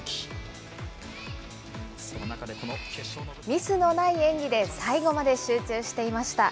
ミスのない演技で最後まで集中していました。